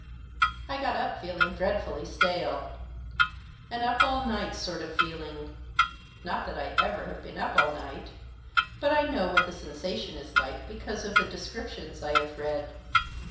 I got up feeling dreadfully stale; an up all night sort of feeling. Not that I ever have been up all night ; but I know what the sensation is like because of the descriptions I have read.